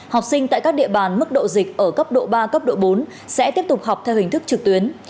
học sinh tại các địa bàn mức độ dịch ở cấp độ ba cấp độ bốn sẽ tiếp tục học theo hình thức trực tuyến